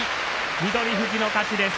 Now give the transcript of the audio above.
翠富士の勝ちです。